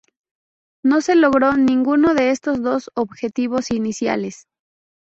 No se logró ninguno de estos dos objetivos iniciales.